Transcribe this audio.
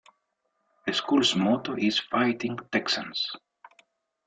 The school's motto is "Fighting Texans".